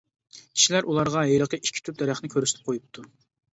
كىشىلەر ئۇلارغا ھېلىقى ئىككى تۈپ دەرەخنى كۆرسىتىپ قويۇپتۇ.